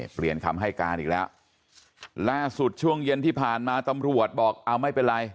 เปลี่ยนคำให้การอีกแล้วล่าสุดช่วงเย็นที่ผ่านมาตำรวจบอกเอาไม่เป็นไร